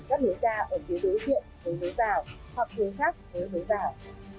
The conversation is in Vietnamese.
quốc tập nhìn các lối ra ở phía đối diện nếu lối vào hoặc phía khác nếu lối vào